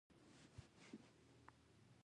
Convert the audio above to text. عالي سروې په خپل وار په څو نورو څانګو ویشل شوې ده